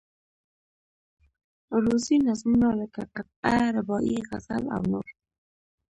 عروضي نظمونه لکه قطعه، رباعي، غزل او نور.